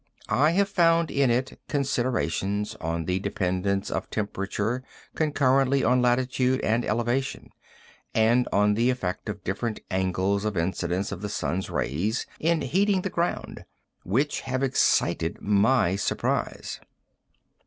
I have found in it considerations on the dependence of temperature concurrently on latitude and elevation, and on the effect of different angles of incidence of the sun's rays in heating the ground, which have excited my surprise."